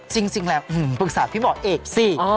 จริงแล้วปรึกษาพี่หมอเอกสิ